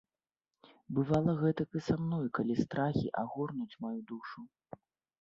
Бывала гэтак і са мной, калі страхі агорнуць маю душу.